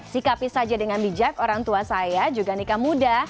sikapi saja dengan bijak orang tua saya juga nikah muda